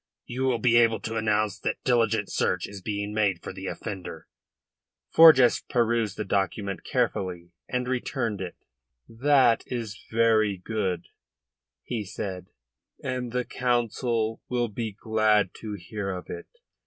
You will be able to announce that diligent search is being made for the offender." Forjas perused the document carefully, and returned it. "That is very good," he said, "and the Council will be glad to hear of it.